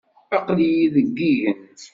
Aql-iyi deg yigen.